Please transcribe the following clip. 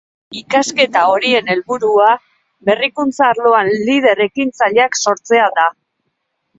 Ikasketa horien helburua, berrikuntza arloan lider ekintzaileak sortzea da.